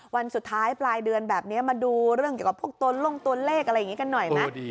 วันสุดท้ายปลายเดือนแบบนี้มาดูเรื่องเกี่ยวกับพวกตัวลงตัวเลขอะไรอย่างนี้กันหน่อยไหม